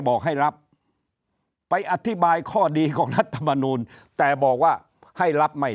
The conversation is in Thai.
บอกให้รับไปอธิบายข้อดีของรัฐมนูลแต่บอกว่าให้รับไม่